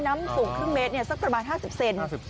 น้ำสูงครึ่งเมตรสักประมาณ๕๐เซน